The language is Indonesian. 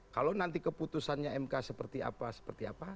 kalau nanti keputusannya mk seperti apa seperti apa